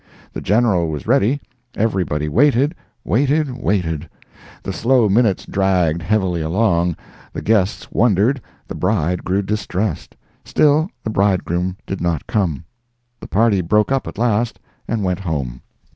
The General was ready. Everybody waited—waited—waited. The slow minutes dragged heavily along, the guests wondered, the bride grew distressed. Still the bridegroom did not come. The party broke up at last, and went home.